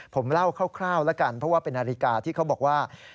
ผมเล่าคร่าวแล้วกันเพราะว่าเป็นนาฬิกาที่เขาบอกว่า